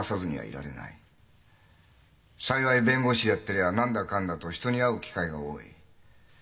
幸い弁護士やってりゃ何だかんだと人に会う機会が多い。